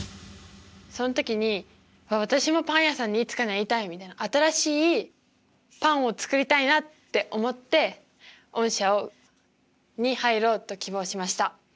その時に私もパン屋さんにいつかなりたいみたいな新しいパンを作りたいなって思って御社をに入ろうと希望しました。